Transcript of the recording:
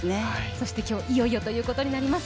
そして今日、いよいよということになります。